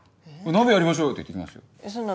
「鍋やりましょう！」って言って来ますよ。